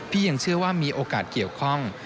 ยังเชื่อว่ามีโอกาสเกี่ยวข้อง